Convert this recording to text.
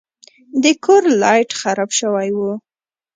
د کور لایټ خراب شوی و.